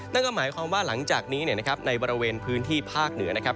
นั่นก็หมายความว่าหลังจากนี้นะครับในบริเวณพื้นที่ภาคเหนือนะครับ